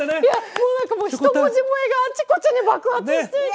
もう何か一文字萌えがあっちこっちに爆発していて。